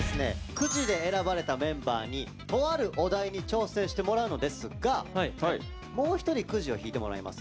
クジで選ばれたメンバーにとあるお題に挑戦してもらうのですがもう１人クジを引いてもらいます。